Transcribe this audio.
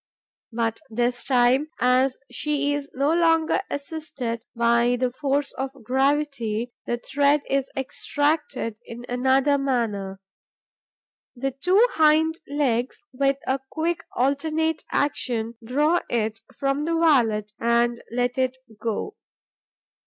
But, this time, as she is no longer assisted by the force of gravity, the thread is extracted in another manner. The two hind legs, with a quick alternate action, draw it from the wallet and let it go.